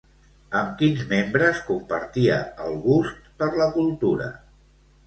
Amb quins membres compartia el gust per la cultura?